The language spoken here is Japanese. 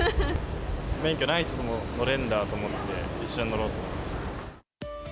免許ない人でも乗れんだと思って、一緒に乗ろうと思いました。